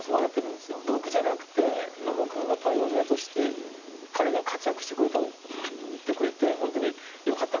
僕じゃなくて野茂君がパイオニアとして彼が活躍してくれてホントによかった。